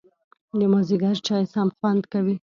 د مازیګر چای سم خوند کوي